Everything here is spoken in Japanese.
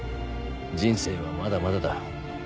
人生はまだまだだ。